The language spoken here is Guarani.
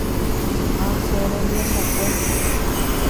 Ache rembiasakue.